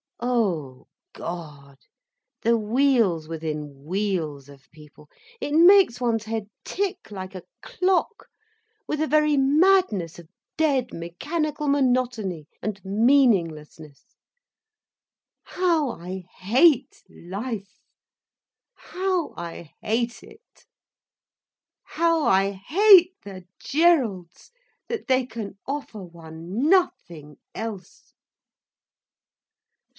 Oh God, the wheels within wheels of people, it makes one's head tick like a clock, with a very madness of dead mechanical monotony and meaninglessness. How I hate life, how I hate it. How I hate the Geralds, that they can offer one nothing else.